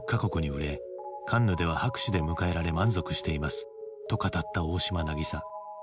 カンヌでは拍手で迎えられ満足しています」と語った大島渚。